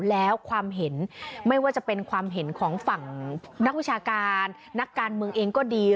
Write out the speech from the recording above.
แล้วความเห็นไม่ว่าจะเป็นความเห็นของฝั่งนักวิชาการนักการเมืองเองก็ดี